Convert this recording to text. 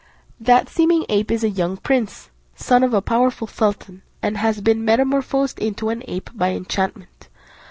That seeming ape is a young prince, son of a powerful sultan, and has been metamorphosed into an ape by enchantment.